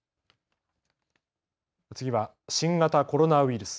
次は新型コロナウイルス。